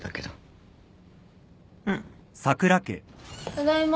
ただいま。